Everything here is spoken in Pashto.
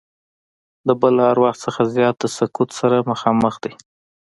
د بل هر وخت نه زیات د سقوط سره مخامخ دی.